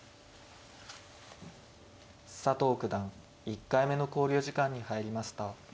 佐藤九段１回目の考慮時間に入りました。